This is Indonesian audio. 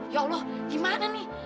ya allah gimana nih